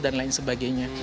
dan lain sebagainya